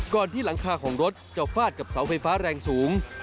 ที่หลังคาของรถจะฟาดกับเสาไฟฟ้าแรงสูง